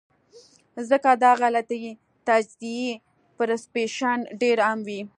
ځکه د غلطې تجزئې پرسپشن ډېر عام وي -